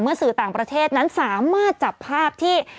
สื่อต่างประเทศนั้นสามารถจับภาพที่